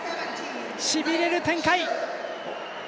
しびれる展開。